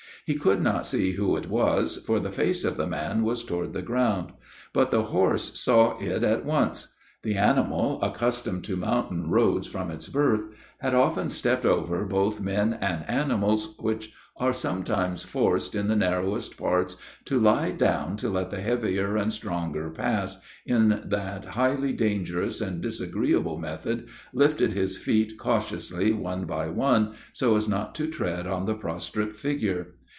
He could not see who it was, for the face of the man was toward the ground. But the horse saw it at once. The animal, accustomed to mountain roads from its birth, had often stepped over both men and animals which are sometimes forced in the narrowest parts to lie down to let the heavier and stronger pass, in that highly dangerous and disagreeable method, lifted his feet cautiously, one by one, so as not to tread on the prostrate figure.